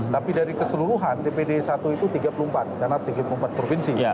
tapi dari keseluruhan dpd satu itu tiga puluh empat karena tiga puluh empat provinsi